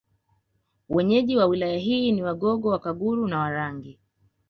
Wenyeji wa Wilaya hii ni Wagogo Wakaguru na Warangi